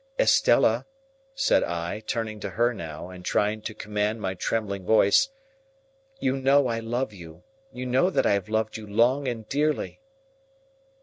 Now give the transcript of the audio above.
"Estella," said I, turning to her now, and trying to command my trembling voice, "you know I love you. You know that I have loved you long and dearly."